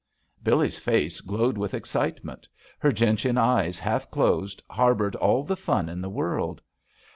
Billee's face glowed with excitement, her gentian eyes half closed harbored all the fun in the world.